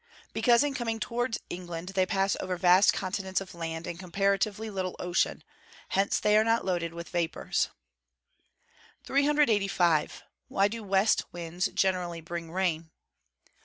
_ Because in coming towards England they pass over vast continents of land, and comparatively little ocean. Hence they are not loaded with vapours. 385. _Why do west winds generally bring rain?